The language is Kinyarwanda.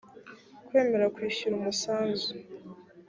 kwemera kwishyura umusanzu